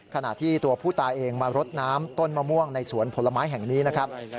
ขณะที่ตัวผู้ตายเองมารดน้ำต้นมะม่วงในสวนผลไม้แห่งนี้นะครับ